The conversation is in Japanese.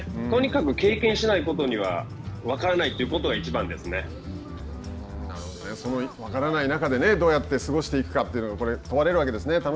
とにかく経験しないことには分からないということが分からない中でどうやって過ごしていくかというのが問われるわけですね。